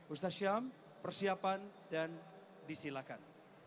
ustaz syam persiapan dan disilakan